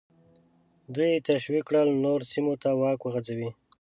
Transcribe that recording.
دوی یې تشویق کړل نورو سیمو ته واک وغځوي.